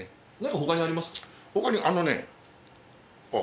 他にあのねあっ。